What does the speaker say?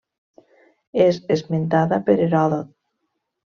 És esmentada per Heròdot.